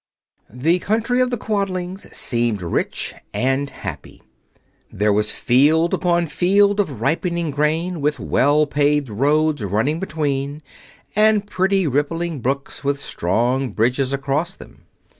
The country of the Quadlings seemed rich and happy. There was field upon field of ripening grain, with well paved roads running between, and pretty rippling brooks with strong bridges across them.